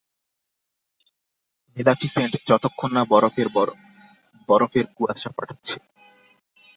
Maleficent যতক্ষণ না বরফের বরফের কুয়াশা পাঠাচ্ছে।